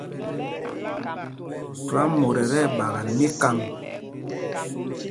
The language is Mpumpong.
Twaamot ɛ tí ɛɓakɛl míkâŋ.